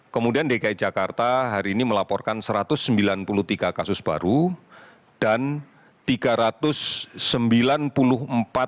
kemudian dki jakarta hari ini melaporkan satu ratus sembilan puluh tiga kasus baru dan tiga ratus sembilan puluh empat orang